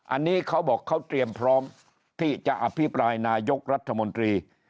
อันนี้เขาบอกเขาเตรียมพร้อมที่จะอภิปรายนายกรัฐมนตรี